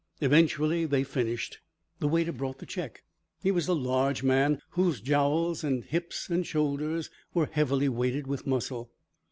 Eventually they finished. The waiter brought the check. He was a large man, whose jowls and hips and shoulders were heavily weighted with muscle.